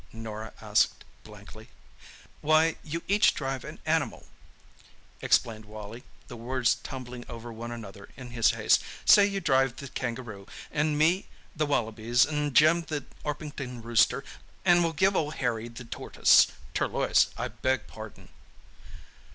Norah asked blankly. "Why, you each drive an animal," explained Wally, the words tumbling over one another in his haste. "Say you drive the kangaroo, 'n me the wallabies, 'n Jim the Orpington rooster, 'n we'll give old Harry the tortoise—turloise, I beg pardon!"